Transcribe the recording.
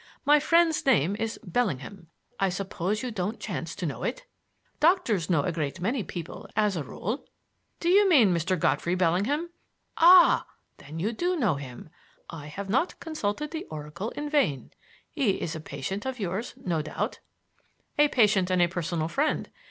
My friend's name is Bellingham. I suppose you don't chance to know it? Doctors know a great many people, as a rule." "Do you mean Mr. Godfrey Bellingham?" "Ah! Then you do know him. I have not consulted the oracle in vain. He is a patient of yours, no doubt?" "A patient and a personal friend.